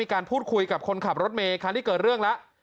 การพูดคุยกับคนขับรถเมย์คันที่เกิดเรื่องแล้ว